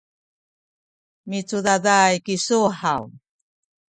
micudaday kisu haw?